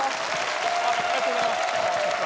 ありがとうございます。